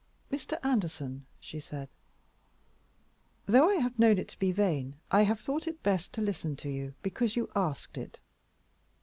"Mr. Anderson," she said, "though I have known it to be vain, I have thought it best to listen to you, because you asked it."